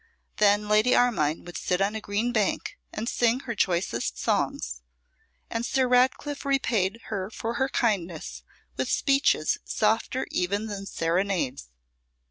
Then Lady Armine would sit on a green bank and sing her choicest songs, and Sir Ratcliffe repaid her for her kindness with speeches softer even than serenades.